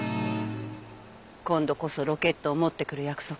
今度こそロケットを持ってくる約束で。